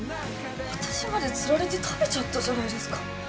私までつられて食べちゃったじゃないですか。